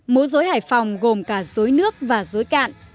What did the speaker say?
múa dối hải phòng gồm cả dối nước và dối cạn